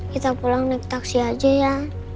kita pulang naik taksi aja ya